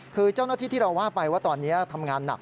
คือเจ้าหน้าที่ที่เราว่าไปว่าตอนนี้ทำงานหนัก